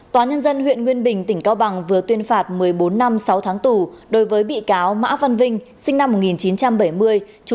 tòa nhân dân huyện nguyên bình tỉnh cao bằng vừa tuyên phạt một mươi bốn năm sáu tháng tù đối với bị cáo mã văn vinh